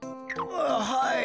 はい。